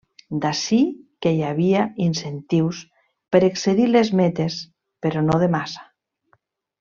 D'ací que hi havia incentius per excedir les metes, però no de massa.